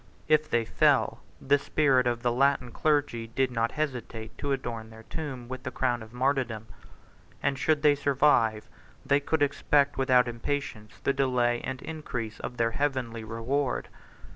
If they fell, the spirit of the Latin clergy did not hesitate to adorn their tomb with the crown of martyrdom; 29 and should they survive, they could expect without impatience the delay and increase of their heavenly reward.